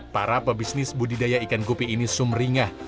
para pebisnis budidaya ikan gupi ini sumringah